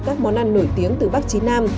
các món ăn nổi tiếng từ bắc chí nam